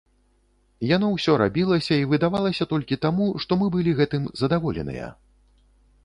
Яно ўсё рабілася і выдавалася толькі таму, што мы былі гэтым задаволеныя.